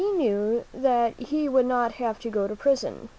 K :v' y: ; knew that he would not have to go to prison.